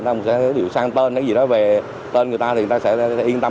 người ta sẽ điều sang tên cái gì đó về tên người ta thì người ta sẽ yên tâm